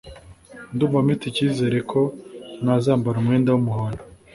ndumva mfite icyizere ko nazambara umwenda w’umuhondo